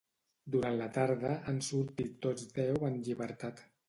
Durant la tarda han sortit tots deu en llibertat.